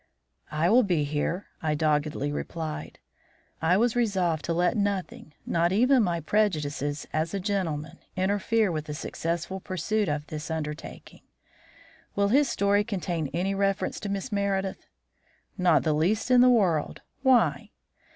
"I will be here," I doggedly replied. I was resolved to let nothing, not even my prejudices as a gentleman, interfere with the successful pursuit of this undertaking. "Will his story contain any reference to Miss Meredith?" "Not the least in the world. Why?"